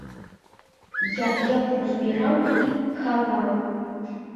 Я яму збіраў і хаваў.